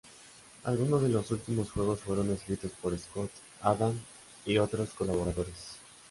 Algunos de los últimos juegos fueron escritos por Scott Adams y otros colaboradores.